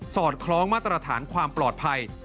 อดคล้องมาตรฐานความปลอดภัย